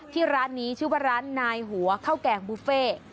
ที่ร้านนี้ชื่อว่าร้านนายหัวข้าวแกงบุฟเฟ่